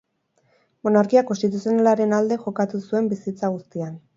Monarkia konstituzionalaren alde jokatu zuen bizitza guztian.